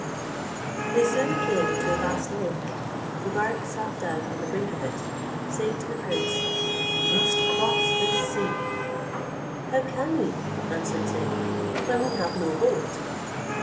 They soon came to a vast lake: Mobarec set down on the brink of it, saying to the prince, "We must cross this sea." "How can we," answered Zeyn, "when we have no boat?"